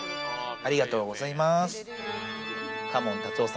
ありがとうございます。